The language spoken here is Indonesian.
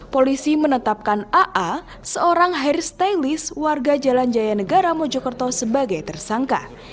polisi menetapkan aa seorang hairstylist warga jalan jaya negara mojokerto sebagai tersangka